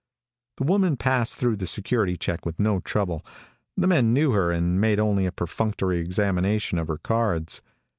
The woman passed through the security check with no trouble. The men knew her and made only a perfunctory examination of her cards.